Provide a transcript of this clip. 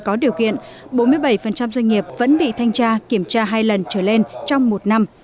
có điều kiện bốn mươi bảy doanh nghiệp vẫn bị thanh tra kiểm tra hai lần trở lên trong một năm